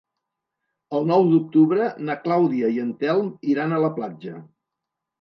El nou d'octubre na Clàudia i en Telm iran a la platja.